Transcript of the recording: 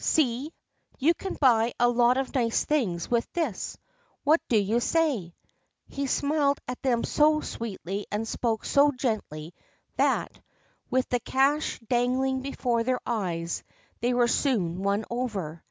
' See I you can buy a lot of nice things with this. What do you say ?' He smiled at them so sweetly and spoke so gently that, with the cash dangling before their eyes, they were soon won over.